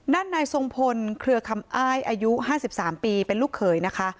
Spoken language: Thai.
นายทรงพลเครือคำอ้ายอายุ๕๓ปีเป็นลูกเขยนะคะ